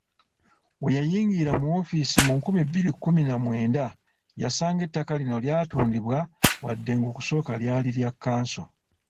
We yayingirira mu woofiisi mu nkumi bbiri kkumi na mwenda yasanga ettaka lino lyatundibwa wadde ng'okusooka lyali lya kkanso.